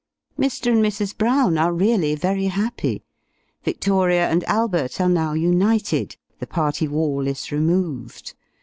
Mr. and Mrs. Brown are really very happy! Victoria and Albert are now united the party wall is removed.